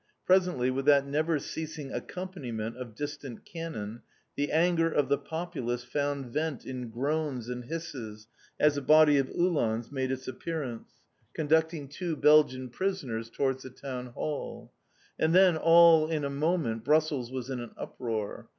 Presently, with that never ceasing accompaniment of distant cannon, the anger of the populace found vent in groans and hisses as a body of Uhlans made its appearance, conducting two Belgian prisoners towards the Town Hall. And then, all in a moment, Brussels was in an uproar.